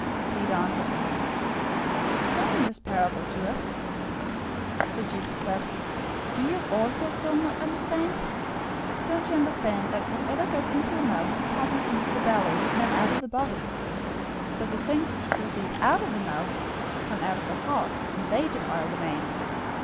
015:015 Peter answered him, "Explain the parable to us." 015:016 So Jesus said, "Do you also still not understand? 015:017 Don't you understand that whatever goes into the mouth passes into the belly, and then out of the body? 015:018 But the things which proceed out of the mouth come out of the heart, and they defile the man.